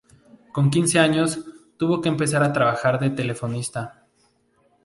Con quince años tuvo que empezar a trabajar de telefonista.